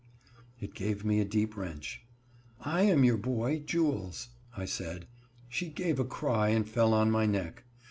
It gave me a deep wrench. "I am your boy Jules," I said. She gave a cry and fell on my neck.